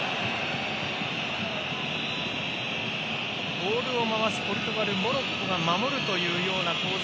ボールを回すポルトガルモロッコが守るというような構図